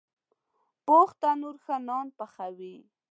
پوخ تنور ښه نان پخوي